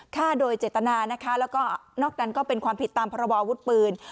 ฆ่าโดยเจตนานะคะแล้วก็นอกนั้นก็เป็นความผิดตามพรบอวุธปืน